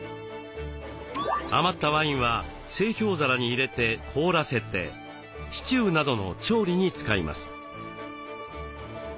余ったワインは製氷皿に入れて凍らせてシチューなどの調理に使います。